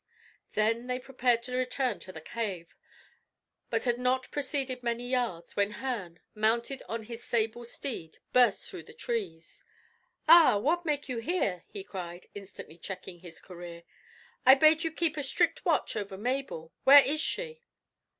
They then prepared to return to the cave, but had not proceeded many yards, when Herne, mounted on his sable steed, burst through the trees. "Ah! what make you here?" he cried, instantly checking his career. "I bade you keep a strict watch over Mabel. Where is she?"